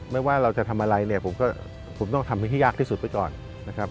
ว่าเราจะทำอะไรเนี่ยผมก็ผมต้องทำให้ยากที่สุดไปก่อนนะครับ